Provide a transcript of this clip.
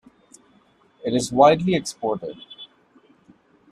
It is widely exported.